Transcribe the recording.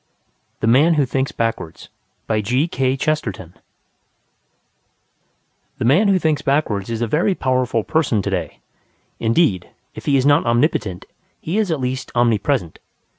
THE MAN WHO THINKS BACKWARDS The man who thinks backwards is a very powerful person to day: indeed, if he is not omnipotent, he is at least omnipresent.